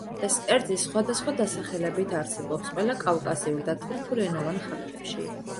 ეს კერძი სხვადასხვა დასახელებით არსებობს ყველა კავკასიურ და თურქულენოვან ხალხებში.